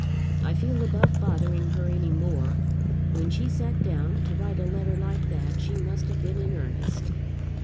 I feel above bothering her any more. When she sat down to write a letter like that she must have been in earnest."